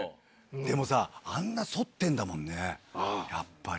でもさ、あんな反ってんだもんね、やっぱり。